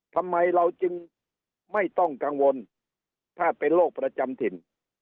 ทำไมเราจึงไม่ต้องกังวลถ้าเป็นโรคประจำถิ่น